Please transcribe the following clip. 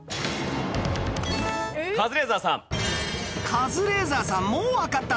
カズレーザーさん。